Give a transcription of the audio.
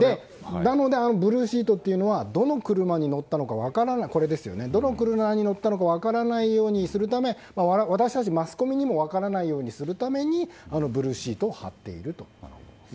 なので、ブルーシートというのはどの車に乗ったのか分からないようにするため私たちマスコミにも分からないようにするためにブルーシートを張っていると。